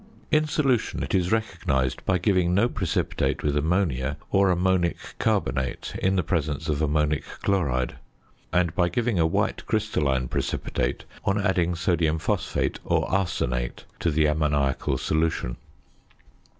In solution, it is recognised by giving no precipitate with ammonia or ammonic carbonate in the presence of ammonic chloride, and by giving a white crystalline precipitate on adding sodium phosphate or arsenate to the ammoniacal solution.